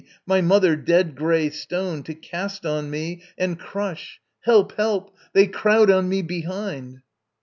My mother, dead grey stone, to cast on me And crush ... Help, help! They crowd on me behind